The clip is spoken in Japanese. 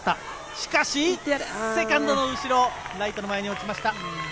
しかしセカンドの後ろ、ライトの前に落ちました。